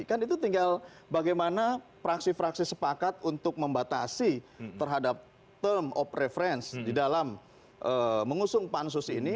kan itu tinggal bagaimana fraksi fraksi sepakat untuk membatasi terhadap term of reference di dalam mengusung pansus ini